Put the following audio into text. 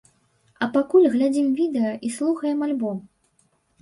А пакуль глядзім відэа і слухаем альбом!